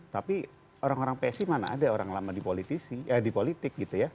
tapi orang orang psi mana ada orang lama di politik gitu ya